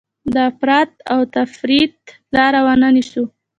د افراط او تفریط لاره ونه نیسو.